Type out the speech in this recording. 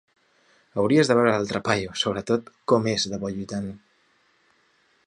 Hauries de veure l'altre paio, sobretot, com és de bo lluitant.